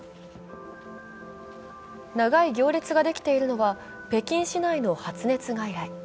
長い行列ができているのは北京市内の発熱外来。